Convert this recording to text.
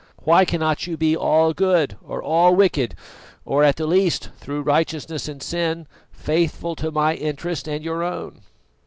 Why cannot you be all good or all wicked, or at the least, through righteousness and sin, faithful to my interest and your own?"